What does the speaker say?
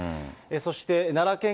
そして奈良県